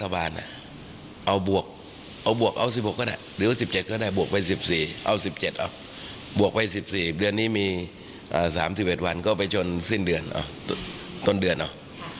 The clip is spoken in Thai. ไม่มี๓๑วันก็ไปจนสิ้นเดือนต้นเดือนอ่ะ